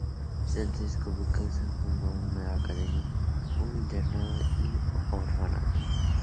Durante su episcopado fundó una academia, un internado y un orfanato.